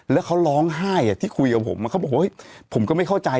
แล้วเขาร้องไห้ที่คุยกับผมเขาบอกว่าผมก็ไม่เข้าใจ